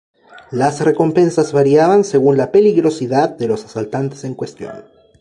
Las recompensas variaban según la peligrosidad de los asaltantes en cuestión.